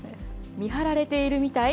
見張られているみたい？